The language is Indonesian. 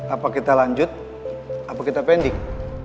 apa kita lanjut apa kita pending